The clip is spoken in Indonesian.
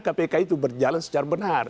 kpk itu berjalan secara benar